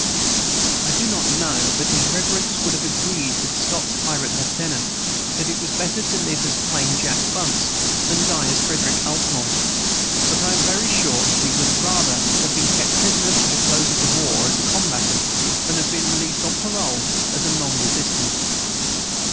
I do not know but his reverence would have agreed with Scott's pirate lieutenant, that it was better to live as plain Jack Bunce than die as Frederick Altamont; but I am very sure that he would rather have been kept prisoner to the close of the war, as a combatant, than have been released on parole as a non resistant.